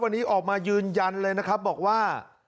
วันนี้ออกมายืนยันเลยนะครับบอกว่า